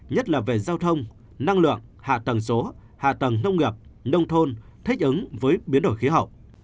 nhất là về giao thông năng lượng hạ tầng số hạ tầng nông nghiệp nông thôn thích ứng với biến đổi khí hậu